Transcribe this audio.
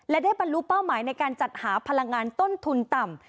และได้บรรลุเป้าหมายในการจัดหาพลังงานต้นทุนต่ำ